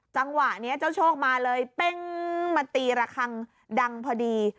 จังหวะนี้เจ้าโชคมาเลยเป้งมาตีระคังดังพอดี